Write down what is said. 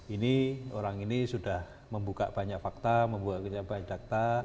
ini orang ini sudah membuka banyak fakta membuka banyak data